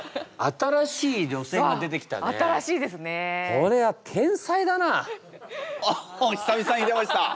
これはあっ久々に出ました。